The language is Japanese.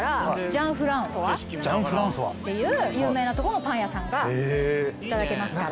「ＪＥＡＮＦＲＡＮＯＩＳ」。っていう有名なとこのパン屋さんがいただけますから。